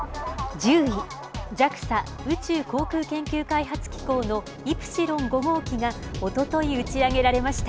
１０位、ＪＡＸＡ・宇宙航空研究開発機構のイプシロン５号機がおととい打ち上げられました。